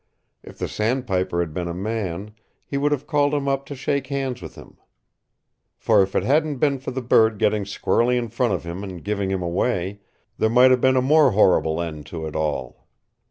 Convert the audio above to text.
If the sandpiper had been a man, he would have called him up to shake hands with him. For if it hadn't been for the bird getting squarely in front of him and giving him away, there might have been a more horrible end to it all.